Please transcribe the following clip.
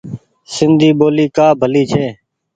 سندي ٻولي ڪآ ڀلي ڇي۔